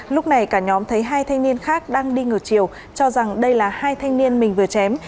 lúc này cả nhóm thấy hai thanh niên khác đang đi ngược chiều cho rằng đây là hai thanh niên mình vừa chém